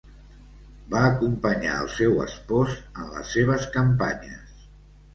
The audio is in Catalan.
Va acompanyar al seu espòs en les seves campanyes.